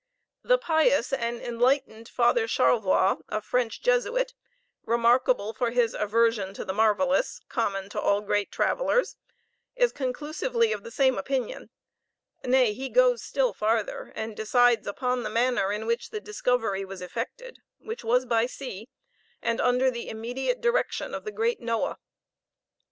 The pious and enlightened father, Charlevoix, a French Jesuit, remarkable for his aversion to the marvelous, common to all great travelers, is conclusively of the same opinion; nay, he goes still farther, and decides upon the manner in which the discovery was effected, which was by sea, and under the immediate direction of the great Noah.